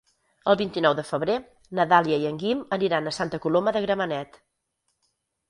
El vint-i-nou de febrer na Dàlia i en Guim aniran a Santa Coloma de Gramenet.